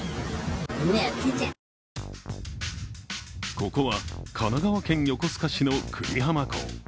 ここは神奈川県横須賀市の久里浜港。